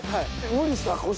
無理したら腰。